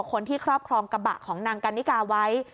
คนที่ครอบครองกระบะของนางกัณฑิกาไว้